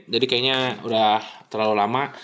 jadi kayaknya udah terlalu lama